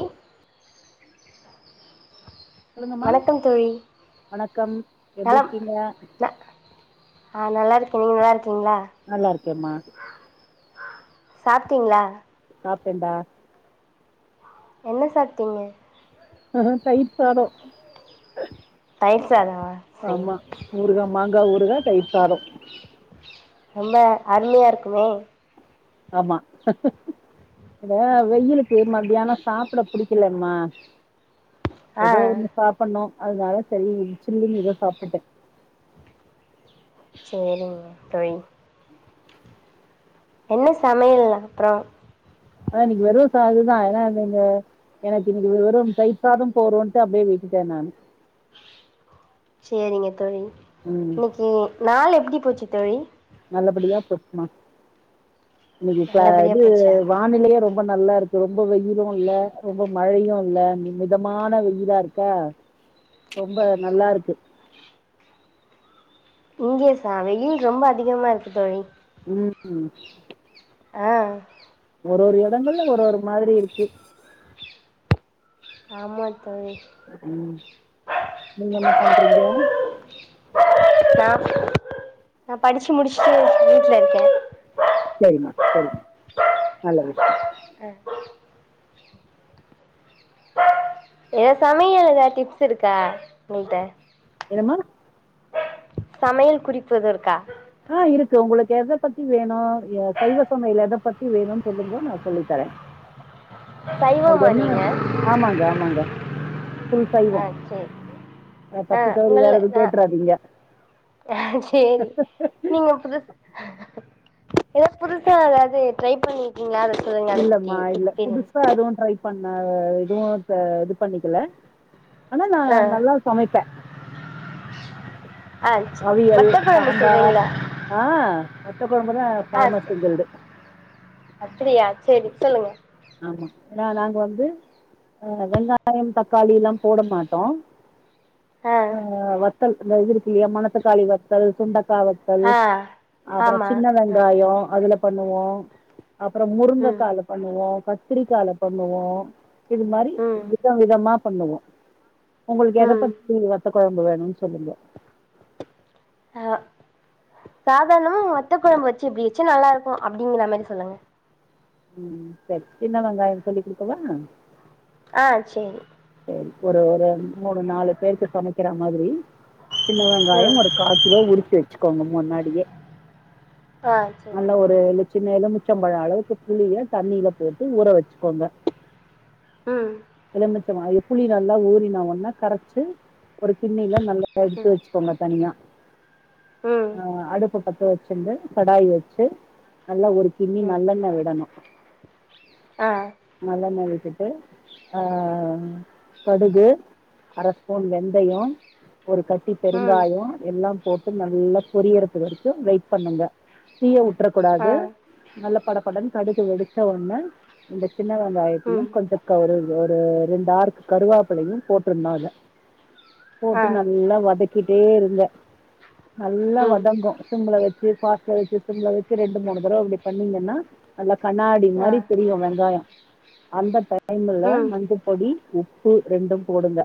ழி சொல்லுங்கம்மா வணக்கம் தோழி வணக்கம் எப்டி நலம் இருக்கீங்க ந அ நல்லாருக்கே நீங்க நல்லார்க்கீங்ளா நல்லார்க்கேம்மா சாப்ட்டீங்ளா சாப்டேண்டா என்ன சாப்ட்டீங்க தயிர் சாதோ தயிர் சாதவா ஆமா ஊருகா மாங்கா ஊருகா தயிர் சாதோ ரொம்ப அருமையா இருக்குமே ஆமா எடே வெய்யிலுக்கு மத்யான சாப் ப்ட புடிக்கலம்மா ஆ எதோ ஒண்ணு சாப் பண்ணோ அத்னால சரி ச்சில்லுன் எதோ சாப்ட்டுட்டே சேரிங்க தோய் என்ன சமையல் அப்றோ ஆ நீங்கு வெறு சாதோதா ஏனா அதுங்க எனக்கு இன்னிக்கி வெரும் தயிர் சாதம் போதோன்ட்டு அப்டே விட்டுட்டே நான் ச்சேரிங்க தோழி ம் இன்னிக்கி நாள் எப்டி போச்சு தோழி நல்லபடியா போச்மா இன்னிக்கி கா நல்லபடியா இது போச்சா வானிலையே ரொம் ம்ப நல்லா இருக்கு ரொம்ப வெயிலு இல்ல ரொம்ப மழையு இல்ல மி மிதமான வெயிலாருக்கா ரொம்ப நல்லார்க்கு இங்க சா வெயில் ரொம்ப அதிகமா இருக்கு தோழி ம் ம் ஆ ஒரொரு எடங்கள்ல ஒரு ஒரு மாதிரி இருக்கு ஆமா தோழி ம் நீங்க என்ன பண்றீங்க நா படிச்சு முடிச்சுட்டு வீட்ல இருக்கே சரிம்மா சரிம்மா நல்ல விஷயம் ஆ எ சாமி ஏதாச்சி டிப்ஸ் இருக்கா உன்ட்ட என்னமா சமயல் குறிப்பு இது இருக்கா ஆ இருக்கு உங்களுக்கு எத பத்தி வேணு சைவ சமயல் எத பத்தி வேணுனு சொல்லுங்க நா சொல்லி தரேன் உங்க சைவமா என்ன நீங்க ஆமாங்க ஆமாங்க ஃபுல் சைவோ ஆ சேரி அ ஆ தப்பி தவறி வேற எதும் கேட்றாதீங்க அ சேரி நீங்க புது எதா புதுசா எதாது ட்ரை பண்ருக்கீங்களா அது இல்லமா இல்ல புதுசா எதுவும் ட்ரை பண்ண இதுவும் இது பண்ணிக்கல ஆனா நா ஆ நல்லா சமைப்பே ஆ சேரி அவியல் வத்தக்கொழம்பு சாம்பார் சொல்றீங்களா ஆ வத்த கொழம்புதா ஆ அப்டியா சரி சொல்லுங்க ஆமா ஏனா நாங்க வந்து ஆ வெங்காயம் தக்காளிலாம் போட மாட்டோம் ஆ வத்தல் இந்த இது இருக்குலியா மணத்தக்காளி வத்தல் சுண்டக்கா வத் தல் ஆ அப்பறம் ஆமா சின்ன ஆ வெங்காயம் அதுல பண்ணுவோம் அப்பறம் முரு ம் க்கால பண்ணுவோ கத்திரிக்கால பண்ணுவோம் இது மாறி ம் விதம் விதமா பண்ணுவோம் உங்களுக்கு எத ம் பத்தி வத்த கொழம்பு வேணும் சொல்லுங்க அ சாதாரணமா வத்த கொழம்பு வச்சு இப்டி வச்சு நல்லா இருக்கும் அப்டிங்கற மாரி சொல்லுங்க ம் சரி சின்ன வெங்காயம் சொல்லி் குடுக்கவா அ செரி சரி ஒரு ஒரு மூணு நாலு பேருக்கு சமைக்கற மாரி சின்ன ம் வெங்காயம் ஒரு கா கிலோ உருச்சி வச்சுக்கோங்க முன்னாடியே ஆ சேரி நல்ல ஒரு சின்ன எலுமிச்சம்பழம் அளவுக்கு புளிய தண்ணில போட்டு ஊற வச்சுக்கோங்க ம் எலமிச்சம்பழ அ புளி நல்லா ஊறினா ஒன்ன கரச்சு ஒரு கிண்ணில நல்லா எடுத்து வச்சுக்கோங்க தனியா ம் ஆ அடுப்ப பத்த வச் சுண்டு கடாய வச்சு நல்லா ஒரு கிண்ணி ம் ம் நல்லெண்ண விடணு ஆ நல்லண்ண விட்டுட்டு ஆ கடுகு அர ஸ்பூன் வெந்தயம் ஒரு கட்டி ம் பெருங்காயம் எல்லாம் போட்டு நல்லா பொரியர்து வரைக்கும் வெயிட் பண்ணுங்க தீய விட்ற ஆ கூடாது நல்ல படப்படன்னு கடுகு வெடிச்சோணே இந்த சின்ன வெங்காயத்தையும் ம் கொஞ்ச க்கா ஒரு ஒரு ரெண்டு ஆறுக்கு கருவாப்பலயும் போட்டுருனு அதுல ஆ ம் போட்டு ஆ ம் நல்லா வதக்கிட்டே இருங்க நல்லா ம் வதங்கும் சிம்ல வச்சு ஃபாஸ்டா வச்சு சிம்ல வச்சு ரெண்டு மூணு தட அப்டி பண்ணீங்கன்னா நல்லா கண்ணாடி மாரி தெரியு வெங்காயோ அந்த டைம்ல மஞ்ச ம் ம் பொடி உப்பு ரெண்டும் போடுங்க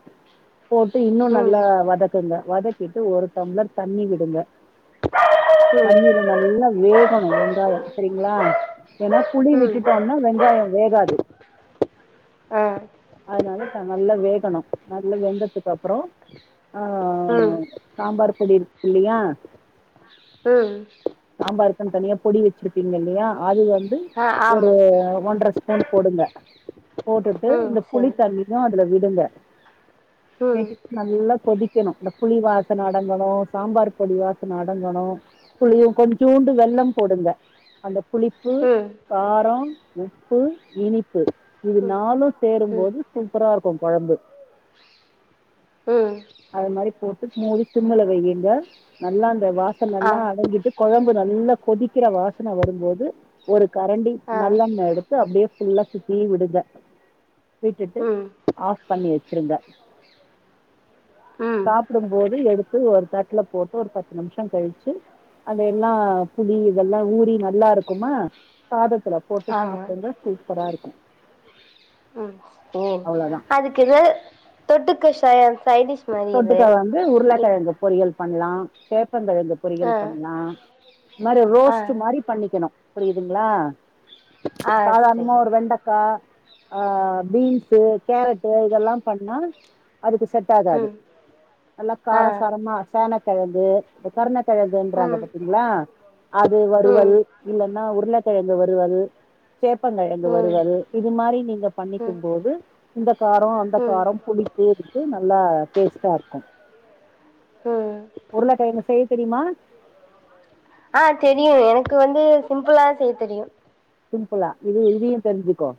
போட்டு இன்னு நல்லா வதக் குங்க வதக்கிட்டு ஒரு டம்ளர் தண்ணி விடுங்க தண்ணி நல்லா வேகணு வெங்காயோ செரிங்களா ஏன்னா புளி விட்டுட்டோன்னா வெங்காயோ வேகாது ஆ அதனால நல்லா வேகணு நல்லா வெந்ததுக்கு அப்றோ ஆ ம் சாம்பார் பொடி இருக்கு இல்லையா ம் சாம்பாருக்குன்னு தனியா பொடி வச்சிருப்பீங்க இல்லையா அது வந்து ஆ ஒரு ஆமா ஒன்ற ஸ்பூன் போடுங்க போட்டுட்டு ம் இந்த சரி இத அதுல விடுங்க ம் ம் நேத்துக்கு நல்லா கொதிக்கணு இந்த புளி வாசன அடங்கணு சாம்பார் பொடி வாசன அடங்கணு புளியு கொஞ்சோண்டு வெள்ளம் போடுங்க அந்த புளிப்பு காரோ உப்பு இனிப்பு இது ம் நாலு சேரும் ம் சூப்பரா இருக்கு கொழம்பு ம் அது மாரி போட்டு மூடி சிம்ல வையுங்க நல்லா அந்த வாசன் ஆ எல்லா அடங்கிட்டு கொழம்பு நல்லா கொதிக்கிற வாசனை வரும்போது ஒரு கரண்டி ஆ நல்லெண்ண எடுத் து அப்டியே ஃபுல்லா சுத்தி விடுங்க விட்டுட்டு ம் ஆஃப் பண்ணி வச்சிருங்க ம் சாப் டும்போது எடுத்து ஒரு தட்ல போட்டு ஒரு பத்து நிமிஷோ கழிச்சு அதெல்லா புளி இதெல்லா ஊறி நல்லா இருக்குமா சாதத்துல போட்டு ஆமா சாப்டுங்க சூப்பரா இருக்கு ம் ம் அவ்வளோதான். அதுக்கு இது தொட்டுக்க ஷை சைடிஷ் மாரி இது தொட்டுக்க வந்து இது உருளக்கெழங்கு பொறியல் பண்ணலா சேப் பங்கெழங்கு ஆ பொரியல் பண்லா இந்த மாரி ஆ ரோஸ்ட்டு மாரி பண்ணிக்கணு புரியுதுங்களா ஆ சாதாரணமா சரி ஒரு வெண்டக் கா ஆ பீன்ஸு கேரட்டு இதெல்லா பண்ணா அதுக்கு செட் செட் ஆகாது ம் நல்லா ஆ கார சாரமா சேன கெழங்கு இந்த கருணக்கெழங்குன்றாங்க ம் பாத்தீங்களா அது ம் வறுவல் இல்லன்னா உருளக்கெழங்கு வறுவல் சேப்பங் கெழங்கு ம் வறுவல் இது மாரி நீங்க ம் பண்ணிக்கும் போது இந்த காரோ அந்த ம் காரம் புளிப்பு இதுக்கு நல்லா டேஸ்ட்டா இருக்கு ம் உருளக்கெழங்கு செய்ய தெரியுமா ஆ தெரியு எனக்கு வந்து சிம்பிளா செய்ய தெரியு சிம்பிளா இது இதையு தெரிஞ்சுக்கோ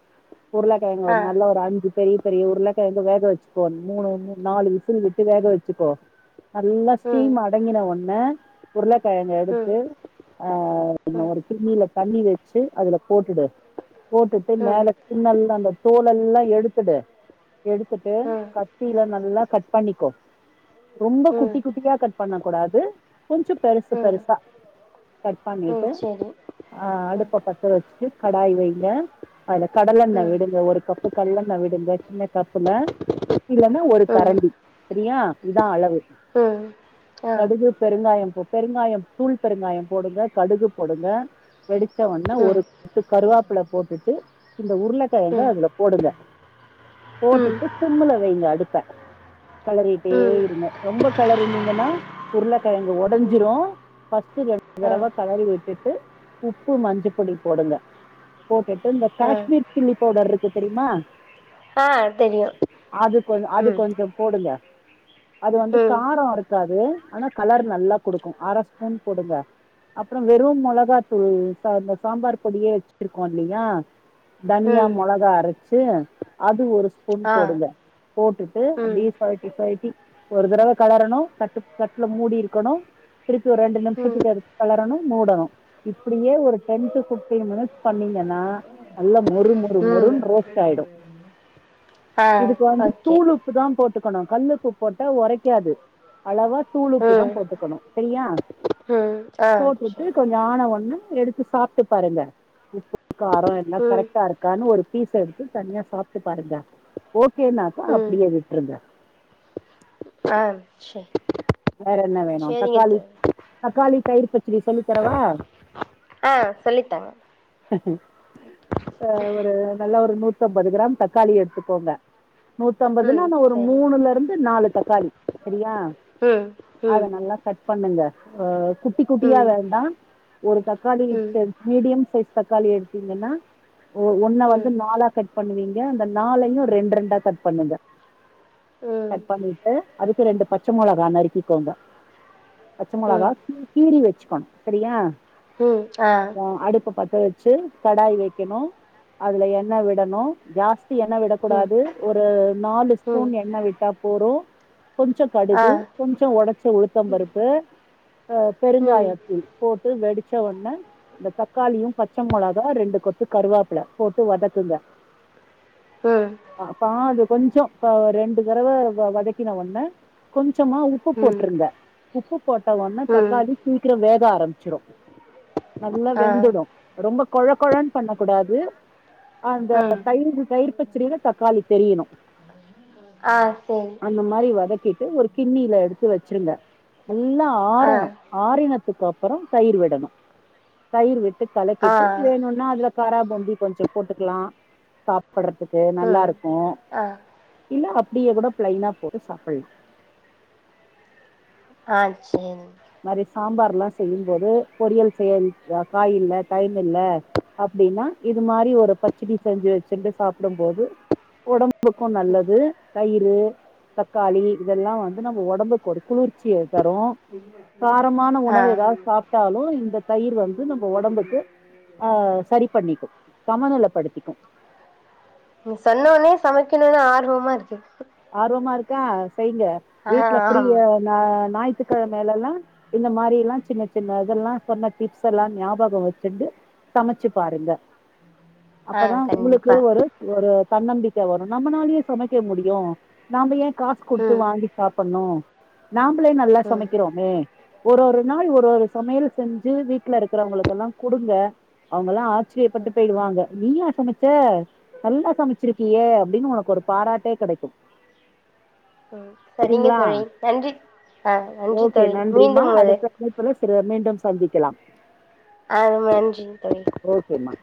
உருளக்கெழங்கு ஒரு ஆ நல்ல ஒரு அஞ்சி பெரிய பெரிய உருளக்கெழங்கு வேக வச்சுக்கோ மூணு நாலு விசில் விட்டு வேக வச்சுக்கோ நல்லா ம் ஸ்ட்ரீம் அடங்கின ஒன்ன உருளக்கெழங்க ம் எடுத்து ம் ஆ ந ம் ஒரு கிண்ணில தண்ணி வெச்சு அதுல போட்டுடு போட்டுட்டு மேல ஸ்கின் எல்லா அந்த தோல் எல்லா எடுத்துடு எடுத்துட்டு ம் கத்தில நல்லா கட் பண்ணிக்கோ ரொம்ப குட்டி ம் குட்டியா கட் பண்ண கூடாது கொஞ்சோ பெருசு ம் பெருசா கட் பண்ணிட்டு ம் சரி ஆ ம் அடுப்ப பத்த வச்சுட்டு கடாய் வைங்க அதுல கடலெண்ண ம் விடுங்க ஒரு கப் பு கல்லெண்ணா விடுங்க சின்ன கப்புல இல்லன்னா ஒரு ம் கரண்டி செரியா இதா அளவு ம் ஆ கடுகு பெருங்காயம் போட் பெருங்காயம் தூள் பெருங்காயம் போடுங்க கடுகு போடுங்க வெடிச்ச ஒன்னே ம் ஒரு கொத்து கருவாப்புல போட்டுட்டு இந்த உருளக்கெழங்க ம் அதுல போடுங்க ம் போட்டுட்டு சிம்முள வையுங்க அடுப்ப கெளறிட்டே ம் இருங்க ரொம்ப கெளறினீங்கன்னா உருளக்கெழங்கு ம் உடஞ்சிரு ஃபர்ஸ்டு ரெண்டு ஆ தடவ கலறி விட்டுட்டு உப்பு மஞ்சப் பொடி போடுங்க போட்டுட்டு இந்த ஆ காஷ்மீர் சில்லி பவுடர் ருக்கு தெரியுமா ஆ தெரியும் அது கொஞ் அது ம் கொஞ்சோ போடுங்க அது வந்து ம் காரோ வொரைக் காது ஆனா கலர் நல்லா குடுக்கு அர ஸ்பூன் போடுங்க அப்றோ வெறு மொளாகாத்தூள் [unintelligible] சாம்பார் பொடியே வெச்சிட்ருக்கோ இல்லையா தனியா ம் மொளகா அரைச்சு அது ஒரு ஸ்பூன் ஆ போடுங்க போட்டுட்டு ம் அப்புடிய பெரட் டிரட்டி ஒரு தடவ கலரணு தட்டு தட்டுல மூடி இருக்கணு திருப்பி ஒரு ரெண்டு ம் நிம்ஷத்துக்கு அத கெளரணு மூடணு இப்புடியே ஒரு டென் டு ஃபிஃப்டீன் மினிட்ஸ் பண்ணீங்கன்னா நல்லா மொறு மொறு ம் மொறுனு ரோஸ்ட் ஆயிடு ஆ இதுக்கு வந்து ஓகே தூள் உப் பு தா போட்டுக்கணு கல் உப்பு போட்டா ஒரைக்காது அளவா தூள் உப்பு தா ம் போட்டுக்கணு சரியா ம் ஆ போட்டுட்டு சரி கொஞ்சோ ஆண ஒண்ணெ எடுத்து சாப்புட்டு பாருங்க உப்பு காரோ எல்லா ம் கரெக்டா இருக்கான்னு ஒரு பீஸ் எடுத்து தனியா சாப்ட்டு பாருங்க ஓக்கேனாக்கா ம் அப்டியே விட்ருங்க ஆ செர் வேற என்ன வேணு தக்காளி தக்காளி தயிர் பச்சிடி சொல்லித் தரவா ஆ சொல்லித்தாங்க ஆ ஒரு நல்லா ஒரு நூத்தம்பது கிராம் தக்காளி எடுத்துக்கோங்க நூத்தம்பதுன ம் ன்னா ஒரு சரி மூணுல இருந்து நாலு தக்காளி செரியா ம் அத ம் நல்லா கட் பண்ணுங்க அ குட்டி ம் குட்டியா ம் வேண்டா ஒரு கட் தக்காளி [unintelligible] மீடியம் சைஸ் தக்காளி எடுத்தீங்கன்னா ஒ ஒன்ன வந்து ம் ம் நாளா கட் பண்ணுவீங்க அந்த நாளையு ரெண்ட் ரெண்டா கட் பண்ணுங்க கட் பண்ணிட்டு அதுக்கு ரெண்டு பச்ச மொளகா நறுக்கிக்கோங்க பச்ச மொளகா ம் கீறி கீறி வெச்சுக்கணு சரியா து ஆ அடுப்ப பத்த வெச்சு கடாய் வைக்கணு அதுல எண்ணெ விடணு கேஸ் த்தி எண்ணெ ம் விடக்கூடாது ஒரு நாலு ம் ஸ்பூன் எண்ணெ விட்டா போறு கொஞ்சப் ஆ கடுகு கொஞ்சோ வொடச்ச உளுத்தம் பருப்பு ம் பெருங்காயத்தூள் போட்டு வெடிச்ச ஒன்ன இந்த தக்காளியு பச்ச மொளகா ரெண்டு கொத்து கருவோப்புல போட்டு வதக்குங்க ம் பாதி கொஞ்சோ ப ரெண்டு தரவ வதக்கின ஒன்னே கொஞ்சமா உப்பு ம் போட்டுருங்க உப்பு போட்ட ஒன்ன ம் தக்காளி சீக்ரோ வேக ஆரம்பிச்சிரு நல்லா ஆ வெந்துடு ரொம்ப கொழ கொழன்னு பண்ண கூடாது அந்த ம் தயிரு தயிர் பச்சிடில தக்காளி தெரியணு ஆ செரி அந்த மாரி வதக்கிட்டு ஒரு கிண்ணில எடுத்து வெச்சிருங்க நல்லா ஆ ஆறணு ஆறினத்துக்கு அப்றோ தயிர் விடணு தயிர் விட் ஆ கலக்கிட்டு வேணுன்னா அதுல ம் காராபூந்தி கொஞ்சோ போட்டு க்லா சாப்புட்றதுக்கு நல்லா ம் இருக்கு ஆ இல்ல அப்படியே கூட பிளைனா போட்டு சாப்பல்லா ஆ சேன் மாரி சாம்பார் எல்லா செய்யும்போது பொரியல் செய்ய காய் இல்ல டைம் இல்ல அப்டின்னா இது மாறி ஒரு பச்சடி செஞ்சு வச்சுன்ட்டு சாப்பிடும் போது ஒடம்புக்கு நல்லது தயிரு தக்காளி இதெல்லா வந்து நம்ம ஒடம்புக்கு ஒரு குளிர்ச்சிய தரு காரமான ஆ உணவு எதாவ்து சாப் ட்டாலு இந்த தயிர் வந்து நம்ம ஒடம்புக்கு ஆ செரி பண்ணிக்கு சமணல படுத்திக்கு நீ சொன்னோனே சமைக்கணுனு ஆர்வமா இருக்கே ஆர்வமா இருக்கா செய்ங்க ஆ வீட்டல ஆமா ஃபிரியா ஞா ஞாயி்த்துக்கிழமேல எல்லா இந்த மாறி எல்லா சின்ன சின்ன இதெல்லா சொன்ன டிப்ஸ் எல்லா ஞாபக வச்சுன்டு சமைச்சு பாருங்க ஆ அப்பதா உங்களுக்கு கண்டிப்பா ஒரு ஒரு தன்னம்பிக்க வரு நம்மளாலயே சமைக்க முடியு நாம ஏ காசு குடுத்து ம் வாங்கி சாப்டணு நாமளே நல்லா ம் சமைக்கிறோமே ஒரு ஒரு நாள் ஒரு ஒரு சமையல் செஞ்சு வீட்ல இருக்கிறவங்களுக்கெல்லா குடுங்க அவங்கல்லா ஆச்சரியப்பட்டு போயிடுவாங்க நீயா சமச்ச நல்லா சமச்சிருக்கியே அப்டின்னு உனக்கு ஒரு பாராட்டே கெடைக்கு ம் செரிங்க சரிங்களா தோழி நன்றி ஆ நன்றி ஓகே தோழி நன்றிமா மீண்டும் உங்களை [unintelligible] மீண்டும் சந்திக்கலாம் ஆ மன்ஜிங் தோழி ஓகேம்மா